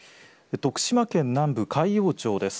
徳島県南部海陽町です。